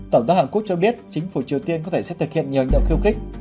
tổng thống hàn quốc cho biết chính phủ triều tiên có thể sẽ thực hiện nhiều hành động khiêu khích